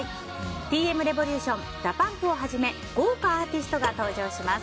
Ｔ．Ｍ．ＲｅｖｏｌｕｔｉｏｎＤＡＰＵＭＰをはじめ豪華アーティストが登場します。